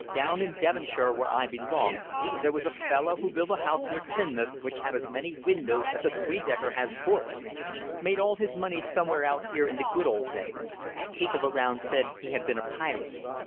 Down in Devonshire where I belong, there was a fellow who built a house near Teignmouth which had as many windows as a three decker has ports. Made all his money somewhere out here in the good old days. People around said he had been a pirate.